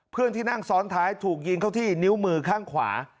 เพื่อนที่นั่งซ้อนท้ายถูกยิงเข้าที่นิ้วมือข้างขวา